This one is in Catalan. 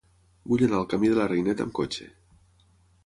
Vull anar al camí de la Reineta amb cotxe.